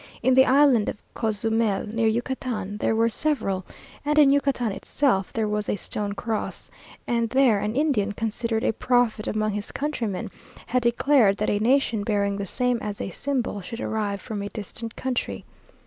In the island of Cozumel, near Yucatan, there were several; and in Yucatan itself, there was a stone cross; and there, an Indian, considered a prophet among his countrymen, had declared that a nation bearing the same as a symbol, should arrive from a distant country!